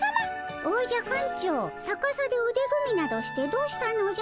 おじゃ館長さかさでうで組みなどしてどうしたのじゃ？